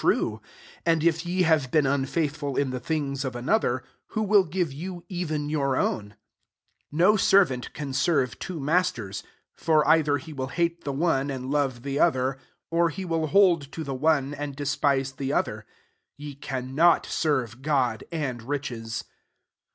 true ? 12 And if ym have been unfaithful in th# things of another, who will |plve you even your own ? 13 '' No servant can serve two maimers : for either he wiU hate the one, and love the other; or he will hold to the one, and dispise the other. Ye cannot serve God and riches."